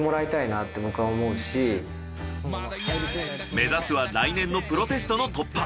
目指すは来年のプロテストの突破。